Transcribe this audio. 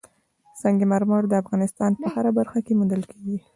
سنگ مرمر د افغانستان په هره برخه کې موندل کېږي.